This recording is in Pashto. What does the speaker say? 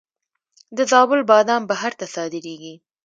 د زابل بادام بهر ته صادریږي.